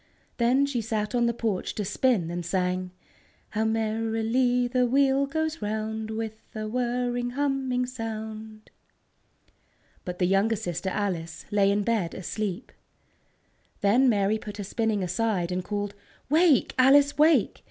Then she sat on the porch to spin, and sang: "How merrily the wheel goes round, With a whirring, humming sound!" But the younger sister, Alice, lay in bed asleep. Then Mary put her spinning aside, and called: "Wake, Alice, wake!